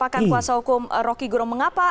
akal atau buah pikir ya